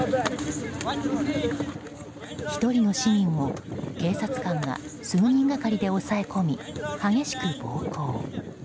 １人の市民を警察官が数人がかりで押さえ込み激しく暴行。